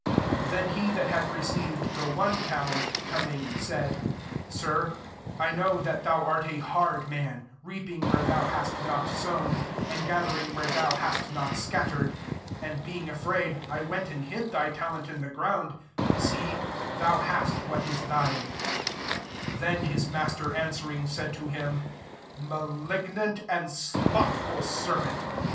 * 24 « Then he that had receiv ed the one talent, coming, said} 'Sir, I know that thou art a hard man, reaping where thou hast not sown, and gathering where thou hast not scattered; 25 and being afraid, I went and hid thy talent in the ground; see, thou hastwAa/ ig thine,' " 26 «« Then his master answer ing, said to him, 'Malignant and slothful servant!